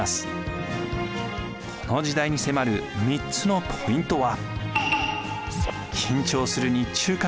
この時代に迫る３つのポイントは。